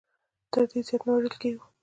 تر دې زیات نه وژل کېږو.